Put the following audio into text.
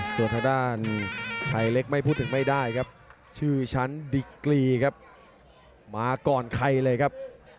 ส่วนทางด้านไทยเล็กไม่พูดถึงไม่ได้ครับชื่อชั้นดิกรีครับมาก่อนใครเลยครับ